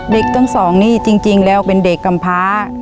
เด็กทั้งสองนี่จริงแล้วเป็นเด็กกำพ้า